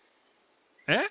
えっ？